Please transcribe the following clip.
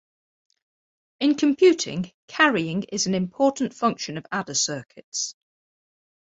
In computing, carrying is an important function of adder circuits.